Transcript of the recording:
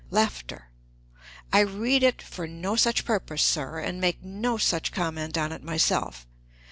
I read it for no such purpose, sir, and make no such comment on it myself.